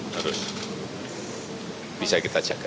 terus bisa kita jaga